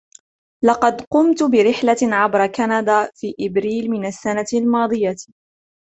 لقد قمت برحلة عبر كندا في ابريل من السنة الماضية.